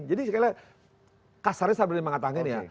jadi sekalian kasarnya saya boleh mengatakan ya